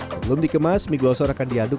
sebelum dikemas mie glosor akan diaduk